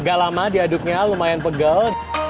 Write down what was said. agak lama diaduknya lumayan pegel